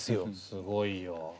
すごいよ。